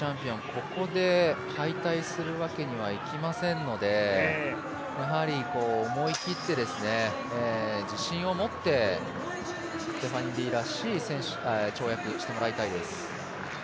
ここで敗退するわけにはいきませんのでやはり、思い切って自信を持ってステファニディらしい跳躍してもらいたいです。